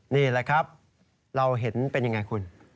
นี่แหละครับเราเห็นเป็นยังไงคุณ